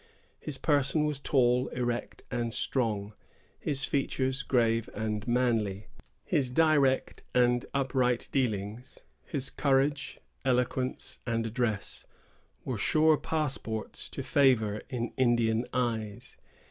His person was tall, erect, and strong; his features grave and manly. His direct and upright dealings, his courage, eloquence, and address, were sure passports to favor in Indian eyes.